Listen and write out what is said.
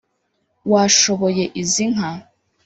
washoboye izi nka